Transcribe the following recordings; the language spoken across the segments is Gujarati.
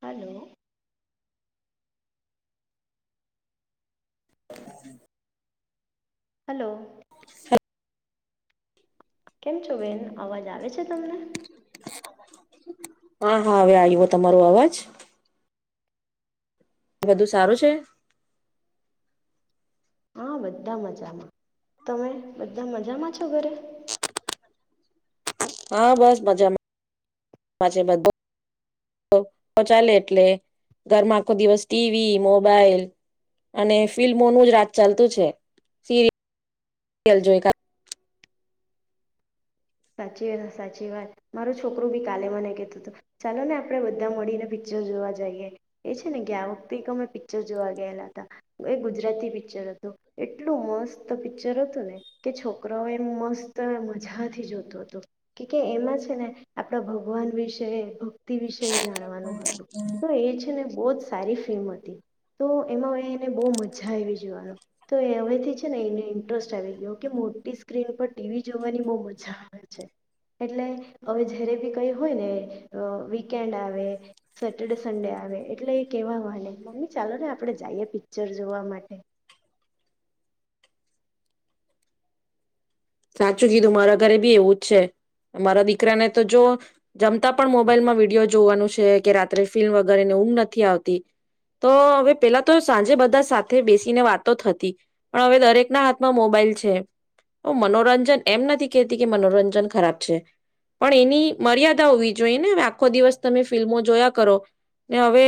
હાલો [inaudible] હાલો. [inaudible] કેમ છો બેન? અવાજ આવે છે તમને? હા હા હવે આવ્યો તમારો અવાજ. બધું સારું છે? હા બધા મજામાં, તમે બધા મજામાં છો ઘરે? હા બસ મજામ, જામા છે બધ ચાલે એટલે ઘરમાં આખો દિવસ ટી વી, મોબાઈલ અને ફિલ્મોનું જ રાત ચાલતું છે સીરી યલ જોય કા સાચ સાચી વાત મારો છોકરું બી કાલે મને કેતો હતું ચાલો ને આપડે બધા મળીને પિક્ચર જોવા જઈએ એ છે ને ગયા વખતે એક અમે પિક્ચર જોવા ગયેલા હતા એ ગુજરાતી પિક્ચર હતું એટલું મસ્ત પિક્ચર હતું ને કે છોકરાઓ એમ મસ્ત મજાથી જો તો હતો કે કે એમાં છે ને આપણા ભગવાન વિશે ભક્તિ વિશે જાણવાનું હતું તો એ છે ને બહુ જ સારી ફિલ્મ હતી તો એમાં એને બહુ મજા આવી જોવાનું તો એ હવેથી છે ને એને ઇન્ટરેસ્ટ આવી ગયો કે મોટી સ્ક્રીન પર ટીવી જોવાની બહુ મજા એટલે હવે જ્યારે બી કઈ હોય ને વીકેન્ડ આવે સેટરડે સન્ડે આવે એટલે એ કેહેવા માંડે મમ્મી ચાલો ને આપણે જઈએ પિક્ચર જોવા માટે. સાચું કીધું મારા ઘરે બી એવું જ છે મારા દીકરાને તો જોવો જમતા પણ મોબાઈલમાં વિડીયો જોવાનું છે કે રાત્રે ફિલ્મ વગેર એને ઉંગ નથી આવતી તો હવે પેલા તો સાંજે બધા સાથે બેસીને વાતો થતી પણ હવે દરેક ના હાથમાં મોબાઈલ છે. તો મનોરંજન એમ નથી કહેતી કે મનોરંજન ખરાબ છે. પણ એની મર્યાદા હોવી જોઈએ ને આખો દિવસ તમે ફિલ્મો જોયા કરો ને હવે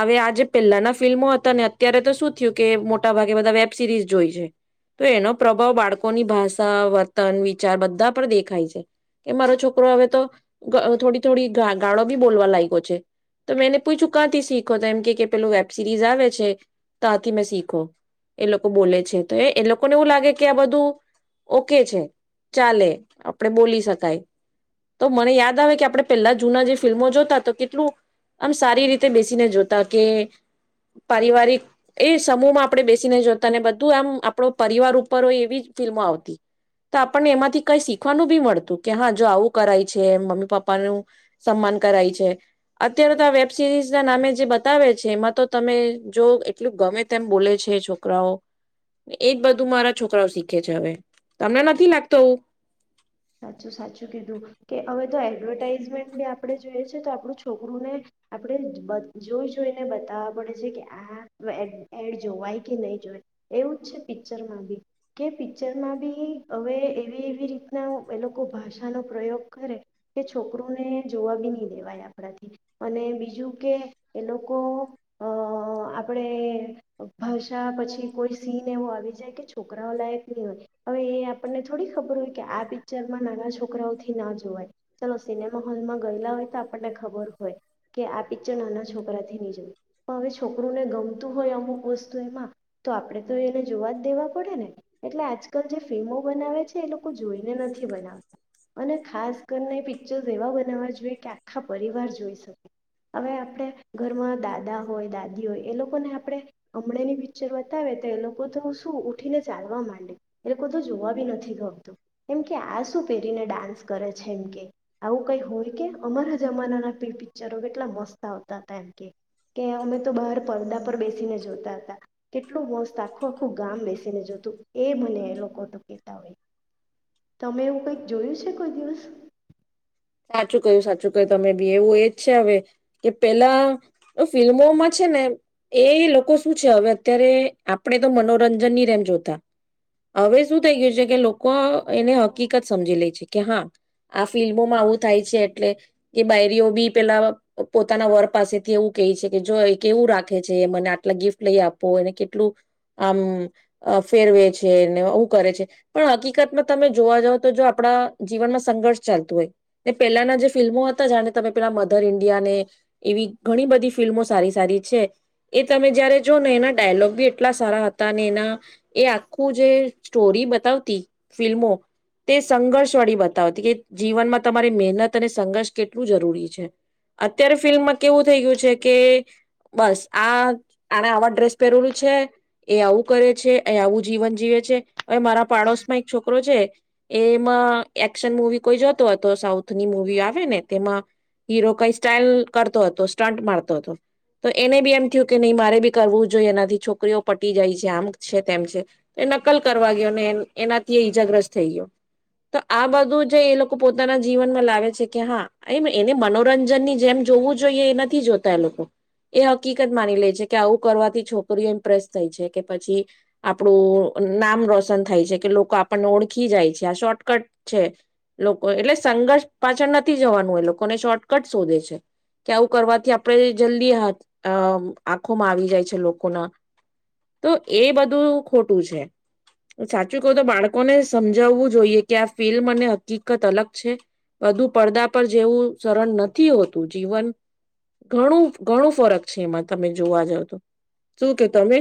હવે આજે પહેલાના ફિલ્મો હતા ને અત્યારે તો શું થયું કે મોટા ભાગે બધા વેબ સિરીઝ જોઈ છે તો એનો પ્રભાવ બાળકોની ભાસ ભાષા, વર્તન, વિચાર બધા પર દેખાય છે કે મારો છોકરો હવે તો થોડી-થોડી ગાળો બી બોલવા લાય્યો છે તો મેં એને પૂછું કાંથી શીખો તો એમ કે પેલું વેબ સિરીઝ આવે છે તા થી મેં શીખો એ લોકો બોલે છે. એ એ લોકોને એવું લાગે કે આ બધું ઓકે છે ચાલે આપણે બોલી શકાય તો મને યાદ આવે કે આપણે પેલા જૂના જે ફિલ્મો જોતા તો કેટલું આમ સારી રીતે બેસીને જોતા કે પારિવારિક એ સમૂહમાં આપણે બેસીને જોતા ને બધું આમ આપડો પરિવાર ઉપર હોય એવી ફિલ્મો આવતી. તો આપણને એમાંથી કઈ શીખવાનું બી મળતું કે હા જો આવું કરાય છે મમ્મી પપ્પાનું સન્માન કરાય છે અત્યારે તો આ વેબ સિરીઝ ના નામે જે બતાવે છે. એમાં તો તમે જો એટલું ગમે તેમ બોલે છે છોકરાઓ એજ બધું મારા છોકરાઓ શીખે છે હવે. તમને નથી લાગતો આવુ. સાચું સાચું કીધું કે હવે તો એડવર્ટાઝમેન્ટ આપ આપણે જોઈએ છે તો આપણું છોકરુંને આપણે જોઈ જોઈને બતાવવા પડે છે કે આ એડ જોવાય કે નહીં જોવાય એવું જ છે પિક્ચરમાં બી કે પિક્ચરમાં બી હવે એવી એવી રીત એ લોકો ભાષાનો પ્રયોગ કરે કે છોકરુંને જોવા બી નહી દેવાય આપણાથી અને બીજું કે એ લોકો અ આપડે ભાષા પછી કોઈ સીન એવો આવી જાય કે છોકરાઓ લાયક નહી હોય હવે એ આપણને થોડી ખબર હોય. કે આ પિક્ચરમાં નાના છોકરાઓથી ના જોવાય ચાલો સિનેમા હોલમાં ગયેલા હોય તો આપણને ખબર પડે કે આ પિક્ચર નાના છોકરાથી નહી જોય પણ હવે છોકરુંને ગમતું હોય અમુક વસ્તુ એમાં તો આપણે તો એને જોવા જ દેવા પડે ને એટલે આજકાલ જે ફિલ્મો બનાવે છે એ લોકો જોઈને નથી બનાવતા અને ખાસ કરીને પિક્ચર એવા બનાવવા જોઈએ કે આખા પરિવાર જોઈ શકે હવે આપણે ઘરમાં દાદા હોય, દાદી હોય એ લોકોને આપણે હમણાની પિક્ચર બતાવે તો એ લોકો તો શું ઉઠીને ચાલવા માંડે. એ લોકો તો જોવા બી નથી ગમતું. કેમ કે આજ શું પહેરીને ડાન્સ કરે છે એમ કે. આવું કઈ હોય કે અમારા જમાનાના પિક્ચરો કેટલા મસ્ત આવતા હતા એમ કે કે અમે તો બહાર પરદા પર બેસીને જોતા હતા. કેટ કેટલું મસ્ત આખું આખું ગામ બેસીને જોતું. એમને એ લોકો તો કેહેતા હોય તમે એવું કઈ સાચું કહ્યું સાચું તે તમે બી એવું એજ છે હવે કે પેલા એ ફિલ્મોમાં છે ને એ લોકો શું છે હવે અત્યારે આપડે તો મનોરંજન ની રેમ જોતા હવે શું થઈ ગયું છે કે લોકો એને હકીકત સમજી લે છે. કે હા આ ફિલ્મોમાં આવું થાય છે એટલે કે બાયરીઓ બી પેલા પોતાના વર પાસેથી એવું કહે છે કે જો એ કેવું રાખે છે મને આટલા ગિફ્ટ લઈ આપો એને કેટલું આમ અહ ફેરવે છેને એું કરે છે પણ હકીકતમાં તમે જોવા જાઓ તો જો આપડા જીવનમાં સંઘર્ષ ચાલતું હોય. ને પેલાના જે ફિલ્મો હતા જાને તમે પેલા મધર ઈન્ડિયા ને એવી ઘણી બધી ફિલ્મો સારી સારી છે એ તમે જયારે જો ને એના ડાયલોગ બી એટલા સારા હતા અને એના એ આખું જે સ્ટોરી બતાવતી ફિલ્મો તે સંઘર્ષ વાડી બતાવતી કે જીવનમાં તમારી મહેનત અને સંઘર્ષ કેટલું જરૂરી છે. અત્યારે ફિલ્મમાં કેવું થઈ ગયું છે કે બસ આ આને આવા ડ્રેસ પહેરેલું છે એ આવું કરે છે એ આવું જીવન જીવે છે હવે મારા પાડોશમાં એક છોકરો છે એમાં એક્શન મુવી કોઈ જોતો હતો સાઉથની મુવી આવે ને તેમાં હીરો કઈ સ્ટાઈલ કરતો હતો સ્ટન્ટ મારતો હતો તો એને બી એમ થયું કે નહી મારે બી કરવું જોઈએ એનાથી છોકરીઓ પટી જાય છે આમ છે તેમ છે તો એ નક્કલ કરવા ગયો એનાથી ઈજાગ્રસ્ત થઈ ગયો. તો આ બધું જે એ લોકો પોતાના જીવનમાં લાવે છે કે હા એમ એને મનોરંજનની જેમ જોવું જોઈએ એ નથી જોતા એ લોકો એ હકીકત માની લે છે કે આવું કરવાથી છોકરીઓ ઇમ્પ્રેસ થાય છે કે પછી આપણું નામ રોશન થાય છે કે લોકો આપણને ઓળખી જાય છે આ શોર્ટકટ છે લોકો એટલે સંઘર્ષ પાછળ નથી જવાનું એ લોકોને શોર્ટકટ શોધે છે કે આવું કરવાથી આપડે જલ્દી અહ આંખોમાં આવી જાય છે લોકોના તો એ બધું ખોટું છે સાચું કહું તો બાળકોને સમજાવવું જોઈએ કે અબફિલ્મ અને હકીકત અલગ છે બધું પડદા પર જેવું સરળ નથી હોતું જીવન ઘણું ઘણું ફરક છે એમાં તમે જોવા જાવ તો. શું કે તમે?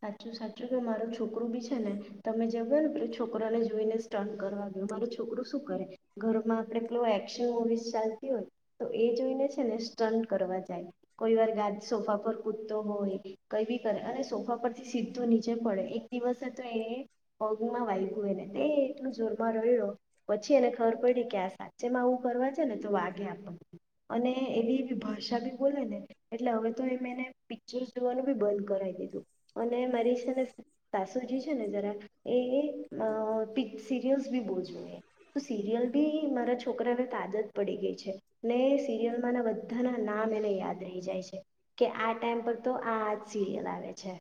સાચું સાચું કે મારું છોકરું બી છે ને તમે જગો ને પેલા છોકરાને જોઈને સ્ટન્ટ કરવા ગયો મારું છોકરું શું કરે ઘરમાં આપડે પેલું એક્શન મુવીસ ચાલતી હોય તો એ જોઈને છે ને સ્ટન્ટ કરવા જાય કોઈ વાર ગાદ સોફા પર કૂદતો હોય કઈ બી કરે અને સો ફ પર થી સીધું નીચે પડે એક દિવસે તો એ પગમાં વાયગું હોયને એ એટલું જોરમાં રહ્યો પછી એને ખબર પડી કે આ સાચેમાં આવું કરવા છે ને તો વાગે આપણને અને એની એવી ભાષા બી બોલે ને એટલે હવે તો એમ એને પિક્ચર જોવાનું બી બંધ કરાવી દીધું. અને મારી છે ને સાસુજી છે ને જરા એ અહ પ સીરિયલ્સ બી બોજવું એ સિરિયલ બી મારા છોકરાને તાદત પડી ગઈ છે ને સિરિયલમાંના બધાના નામ એને યાદ રહી જાય છે કે આ ટાઈમ પર તો આ જ સિરિયલ આવે છે.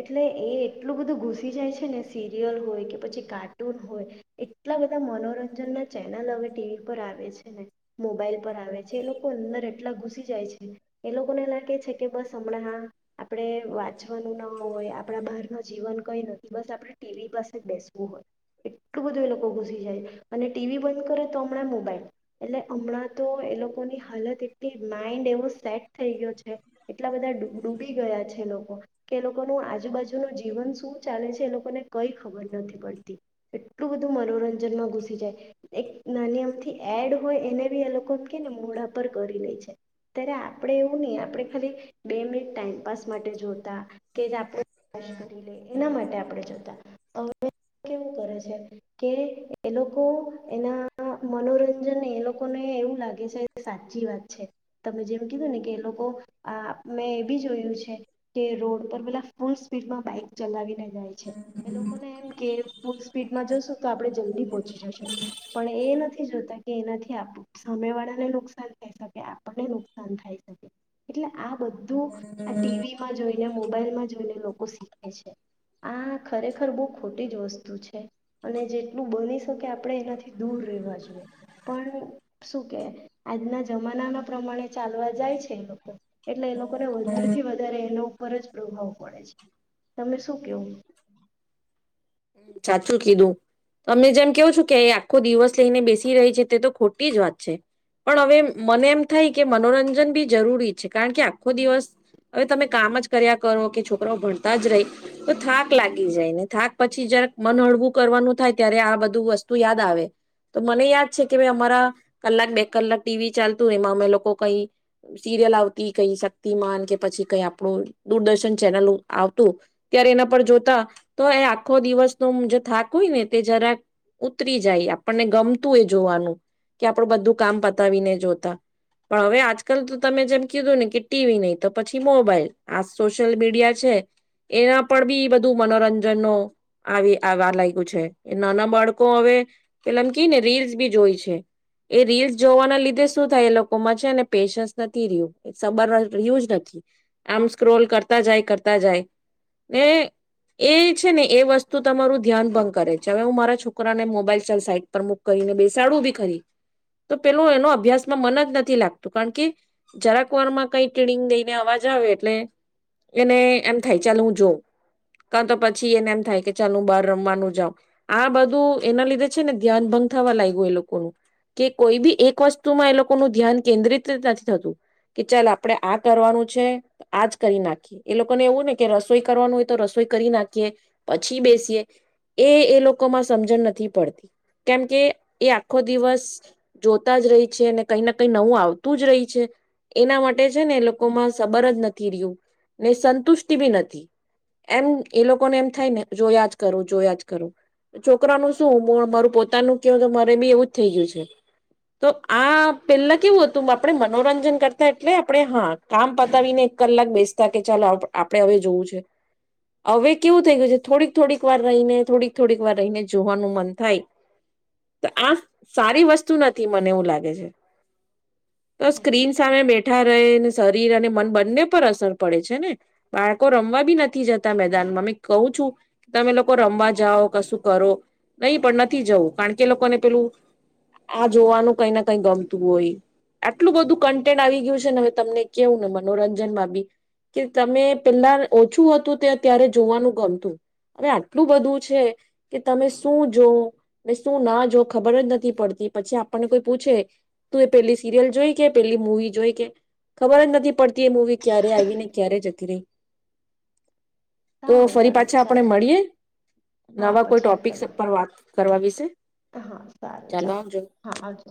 એટલે એ એટલું બધું ઘુસી જાય છે ને સિરિયલ હોય કે પછી કાર્ટૂન હોય એટલા બધા મનોરંજન ના ચેનલ હવે ટી વી પર આવે છે ને મોબાઈલ પર આવે છે એ લોકો અંદર એટલા ઘુસી જાય છે એ લોકોને લાગે છે કે બસ હમણાં હા આપડે વાંચવાનું ના હોય આપડા બહાર ન જીવન કઈ નથી બસ આપણે ટી વી પાસે બેસવું હોય એટલું બધું એ લોકો ઘુસી જાય અને ટી વી બંધ કરે તો હમણાં મોબાઈલ એટલે હમણાં તો એ લોકોની હાલત એટલી માઈન્ડ એવો સેટ થઈ ગયો છે એટલા બધા ડૂ -ડૂબી ગયા છે એ લોકો કે એ લોકોનું આજુબાજુનું જીવન શું ચાલે છે એ લોકોને કંઈ ખબર નથી પડતી એટલું બધું મનોરંજનમાં ઘૂસી જાય એક નાની આમથી એડ હોય એને બી એ લોકો કે ને મોઢા પર કરી લે છે ત્યારે આપણે એવું નહીં આપણે ખાલી બે મિનિટ ટાઈમપાસ માટે જોતા કે આપ [inaudible] કરી લે એના માટે આપણે જોતા હવે કેવું કરે છે કે એ લોકો એના મનોરંજનને એ લોકોને એવું લાગે છે સાચી વાત છે તમે જે મેં કીધુને કે એ લોકો મેં એ બી જોયું છે કે રોડ ઉપર પેલા ફૂલ સ્પીડમાં બાઈક ચલાવીને જાય છે એ લોકોને એમ કે ફૂલ સ્પીડમાં જોશું તો આપણે જલ્દી પહોંચી જશું પણ એ નથી જોતા કે એનાથી કે આપું સમય વાળા ને નુકસાન થાય શકે આપણને નુકસાન થાય શકે એટલે આ બધું આ ટીવી માં જોઈને મુ- મોબાઈલમાં જોઈને લોકો શીખે છે આ ખરેખર બહુ ખોટી જ વસ્તુ છે અને જેટલું બની શકે આપણે એનાથી દૂર રહેવા જોઈએ પણ શું કે આજના જમાનાના પ્રમાણે ચાલવા જાય છે. એટલે એ લોકો કોના વધાર થી વધારે એનો પરજ બઉ ભાવ પડે છે તમે શું કેવું સાચું કીધું અમે જેમ કેવું છું કે આખો દિવસ લઈને બેસી રહી છે તે તો ખોટી જ વાત છે પણ હવે મને એમ થાય કે મનોરંજન બી જરૂરી છે કારણ કે આખો દિવસ હવે તમે કામ જ કર્યા કરો કે છોકરાઓ ભણતા જ રહી તો થાક લાગી જાય ને થાક પછી જરા મન હળવું કરવાનું થાય ત્યારે આ બધું વસ્તુ યાદ આવે તો મને યાદ છે કે ભાઈ અમારા કલાક બે કલાક ટીવી ચાલતું એમાં અમે લોકો કઈ સિરિયલ આવતી કઈ શક્તિમાન કે પછી કઈ આપણું દૂરદર્શન ચેનલ આવતું ત્યારે એના પર જોતા તો એ આખો દિવસ તો જે થાક હોય ને તે જરાક ઉતરી જાય આપણને ગમતું એ જોવાનું કે આપડું બધું કામ પતાવીને જોતા પણ હવે આજકાલ તો તમે જેમ કીધું ને કે ટીવી નહી તો પછી મોબાઈલ આ સોશિયલ મીડિયા છે એના પર બી બધું મનોરંજનનો આવી આવા લાગ્યું છે નાના બાળકો હવે પેલામાં કેને રીલ્સ બી જોઈ છે એ રીલ્સ જોવાના લીધે શું થાય એ લોકોમાં છે ને પેશન્સ નથી રહ્યું એ સબર રહ્યું જ નથી આમ સ્ક્રોલ કરતા જાય કરતા જાય ને એ છે ને એ વસ્તુ તમારું ધ્યાન ભંગ કરે છે હવે હું મારા છોકરાને મોબાઈલ સાઇડ પર મુકઈ કરીને બેસાડું બી ખરી તો પેલું એનો અભ્યાસમાં મન જ નથી લાગતું કારણ કે જરાકવારમાં કઈ ટીનિંગ દઈને અવાજ આવે એટલે એને એમ થાય ચાલ હું જોઉ કા તો પછી એને એમ થાય કે ચાલ બાર રમવાનું જાવ આ બધું એના લીધે છે ને ધ્યાન ભંગ થવા લાયગું એ લોકોનું કે કોઈ બી એક વસ્તુમાં એ લોકો ન ધ્યાન કેન્દ્રિત નથી થતું કે ચાલ આપણેે આ કરવાનું છે આજ કરી નાખીએ એ લોકોને એવું ને કે રસોઈ કરવાનું હોય તો રસોઈ કરી નાખીએ પ- પછી બેસીએ એ એ લોકોમાં સમજણ નથી પડતી કેમ કે એ આખો દિવસ જોતા જ રહી છે ને કંઈને કંઈ નવું આવતું જ રહી છે એના માટે છે ને એ લોકોમાં સબર જ નથી રહ્યું ને સંતુષ્ટિ બી નથી એમ એ લોકોને એમ થાય ને જોયા જ કરો જોયા જ કરો છોકરાનું શું મૂડ મારું પોતાનું ક તો મારે બી એવું જ થઈ ગયું છે તો આ પેલા કેવું હતું આપણે મનોરંજન કરતા એટલે આપણે હા કામ પતાવીને એક કલાક બેસતા કે ચાલો આપણેે હવે જોવું છે હવે કેવું થઈ ગયું છે થોડીક થોડીક વાર રહીને થોડીક થોડીક વાર રહીને જોવાનું મન થાય તો આ સારી વસ્તુ નથી મને એવું લાગે છે તો સાચું સ્ક્રીન સામે બેઠા રહે ને શરીર અને મન બંને પર અસર પડે છે ને બાળકો રમવા બી નથી જતા મેદાનમાં મેં કહું છું તમે લોકો રમવા જાઓ કશું કરો નહી પણ નથી જવું કારણ કે લોકોને પેલું આ જોવાનું કઈ ના કઈ ગમતું હોય આટલું બધું કન્ટેન્ટ આવી ગ્યું છે ને હવે તમને કેવું ને મનોરંજન માં બી કે તમે પેલા ઓછું હતું તે ત્યારે જોવાનું ગમતું અરે આટલું બધું છે કે તમે શું જો ને શું ના જો ખબર જ નથી પડતી પછી આપણને કોઈ પૂછે તું એ પેલી સિરિયલ જોઈ કે પેલી મૂવી જોઈ કે ખબર જ નથી પડતી એ મૂવી ક્યારે આવીને ક્યારે જ- કરે તો સારું ફરી સારું પાછા આપણે ચાલ મળીએ હા નવા કોઈ પછી ટોપિક્સ આપણે ઉપર વાત કરવા વિશે હા સારું ચાલો આવજો હા આવજો